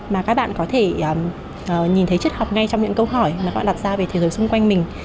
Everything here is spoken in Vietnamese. mà các bạn có thể nhìn thấy chất học ngay trong những câu hỏi mà các bạn đặt ra về thế giới xung quanh mình